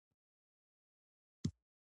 هغه هغې ته د تاوده دښته ګلان ډالۍ هم کړل.